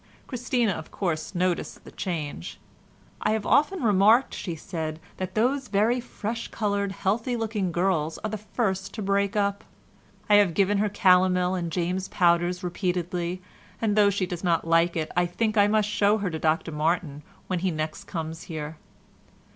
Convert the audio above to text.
Christina, of course, noticed the change. "I have often remarked," she said, "that those very fresh coloured, healthy looking girls are the first to break up. I have given her calomel and James's powders repeatedly, and though she does not like it, I think I must show her to Dr Martin when he next comes here."